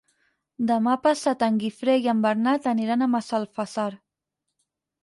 Demà passat en Guifré i en Bernat aniran a Massalfassar.